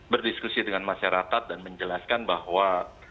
berdiskusi dengan masyarakat dan menjelaskan bahwa